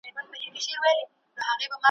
دغه خوب هيچا ته نه ويل.